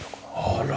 あら！